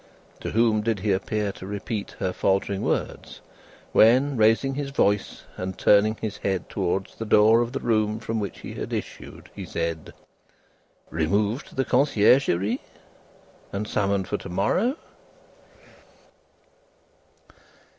To whom did he appear to repeat her faltering words, when, raising his voice and turning his head towards the door of the room from which he had issued, he said: "Removed to the Conciergerie, and summoned for to morrow?"